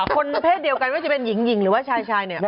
คนเพศเดียวกันว่าจะเป็นหญิงหรือว่าชายชายเนี่ย